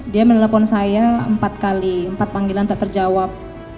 dia menelpon saya empat kali empat panggilan tak terjawab